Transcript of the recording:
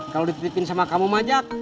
kalau dititipin sama kamu majak